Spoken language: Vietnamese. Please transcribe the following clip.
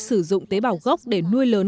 sử dụng tế bào gốc để nuôi lớn